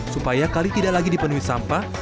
supaya kali tidak lagi dipenuhi sampah